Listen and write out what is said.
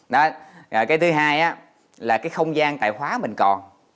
đó là cái thứ hai á là cái không gian tài khoá mình còn